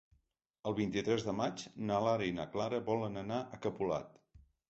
El vint-i-tres de maig na Lara i na Clara volen anar a Capolat.